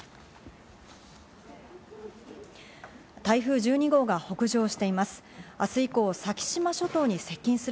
台風１２号が北上しています。